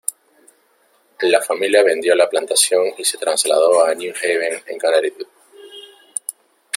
La familia vendió la plantación y se trasladó a New Haven, en Connecticut.